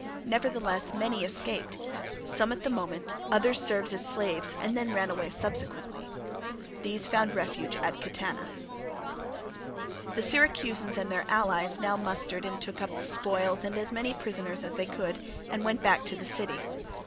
Nevertheless many escaped, some at the moment, others served as slaves, and then ran away subsequently. These found refuge at Catana. The Syracusans and their allies now mustered and took up the spoils and as many prisoners as they could, and went back to the city.